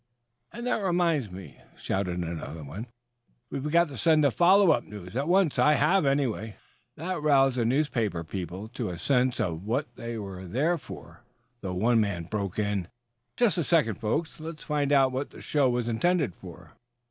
"And that reminds me," shouted another. "We've got to send the follow up news, at once. I have, anyway." That roused the newspaper people to a sense of what they were there for, though one man broke in: "Just a second, folks! Let's find out what the show was intended for."